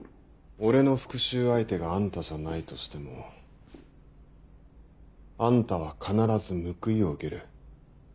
俺の復讐相手があんたじゃないとしてもあんたは必ず報いを受ける。